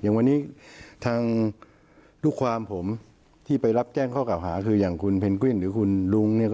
อย่างวันนี้ทางลูกความผมที่ไปรับแจ้งข้อเก่าหาคืออย่างคุณเพนกวินหรือคุณลุงเนี่ย